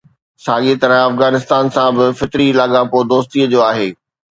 ساڳيءَ طرح افغانستان سان به فطري لاڳاپو دوستيءَ جو آهي.